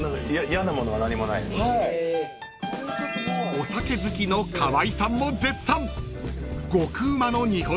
［お酒好きの川合さんも絶賛！］